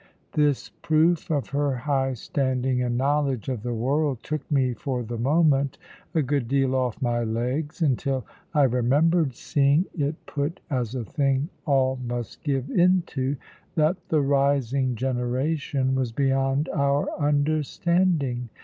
This proof of her high standing and knowledge of the world took me for the moment a good deal off my legs, until I remembered seeing it put as a thing all must give in to, that the rising generation was beyond our understanding.